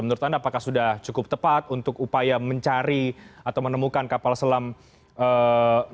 menurut anda apakah sudah cukup tepat untuk upaya mencari atau menemukan kapal selam